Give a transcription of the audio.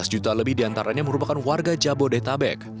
lima belas juta lebih diantaranya merupakan warga jabodetabek